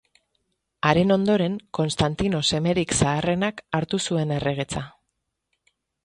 Haren ondoren, Konstantino semerik zaharrenak hartu zuen erregetza.